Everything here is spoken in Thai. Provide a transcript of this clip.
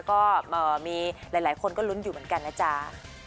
ก็มีหลายคนก็ลุ้นอยู่เหมือนกันนะจ๊ะ